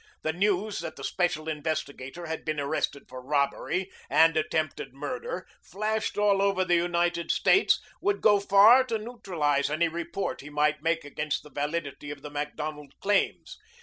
The news that the special investigator had been arrested for robbery and attempted murder, flashed all over the United States, would go far to neutralize any report he might make against the validity of the Macdonald claims.